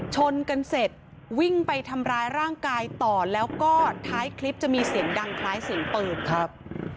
ชนกันเสร็จวิ่งไปทำร้ายร่างกายต่อแล้วก็ท้ายคลิปจะมีเสียงดังคล้ายเสียงปืนครับ